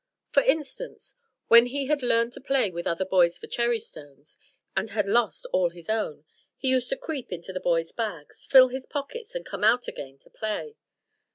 For instance, when he had learned to play with other boys for cherry stones, and had lost all his own, he used to creep into the boys' bags, fill his pockets, and come out again to play.